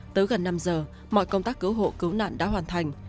tới gần năm giờ mọi công tác cứu hộ cứu nạn đã hoàn thành